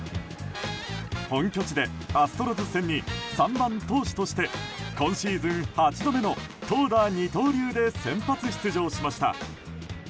本拠地でアストロズ戦に３番投手として今シーズン８度目の投打二刀流で先発出場しました。